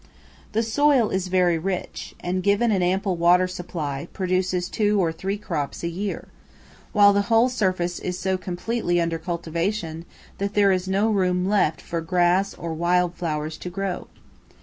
The soil is very rich, and, given an ample water supply, produces two or three crops a year, while the whole surface is so completely under cultivation that there is no room left for grass or wild flowers to grow.